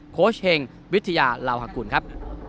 โค้ชเฮงวิทยาลาวฮกุลครับ